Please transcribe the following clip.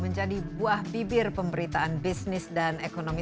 menjadi buah bibir pemberitaan bisnis dan ekonomi